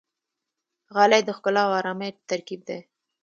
غالۍ د ښکلا او آرامۍ ترکیب دی.